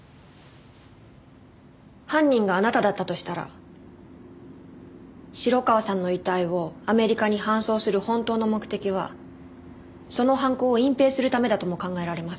犯人があなただったとしたら城川さんの遺体をアメリカに搬送する本当の目的はその犯行を隠蔽するためだとも考えられます。